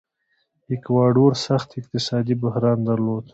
ایکواډور سخت اقتصادي بحران درلود.